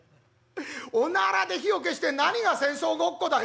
おならで火を消して何が戦争ごっこだよ」。